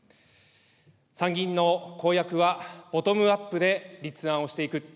参議院の公約はボトムアップで立案をしていく。